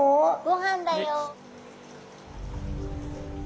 ごはんだよ。